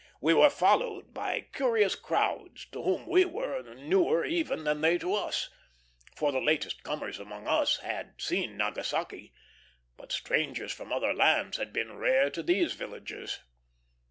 We were followed by curious crowds, to whom we were newer even than they to us; for the latest comers among us had seen Nagasaki, but strangers from other lands had been rare to these villagers.